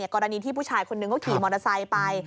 กรณีที่ผู้ชายคนนึงเขาขี่มอเตอร์ไซค์ไป